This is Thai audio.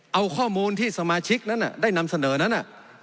เอาข้อมูลที่สมาชิกนั้นได้นำเสนอนั้น